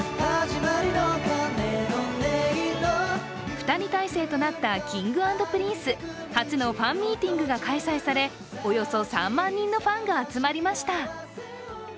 ２人体制となったＫｉｎｇ＆Ｐｒｉｎｃｅ初のファンミーティングが開催されおよそ３万人のファンが集まりました。